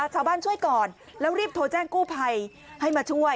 ช่วยก่อนแล้วรีบโทรแจ้งกู้ภัยให้มาช่วย